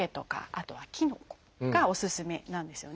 あとはきのこがおすすめなんですよね。